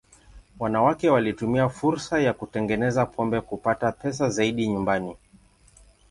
Wanawake walitumia fursa ya kutengeneza pombe kupata pesa zaidi nyumbani.